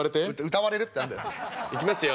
歌われるって何だよ。いきますよ。